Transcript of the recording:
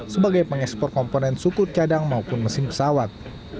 sebagai pengespor komponen suku cadang maupun mesin pesawat